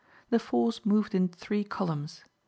The force moved in three columns.